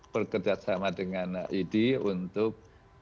berkerjasama dengan idi untuk